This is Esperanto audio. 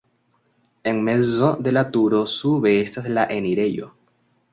En mezo de la turo sube estas la enirejo.